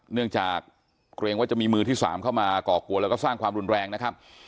เนื่องจากเกรงว่าจะมีมือที่๓เข้ามาก่อกวนแล้วก็สร้างความรุนแรงนะครับ